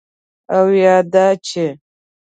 او یا دا چې: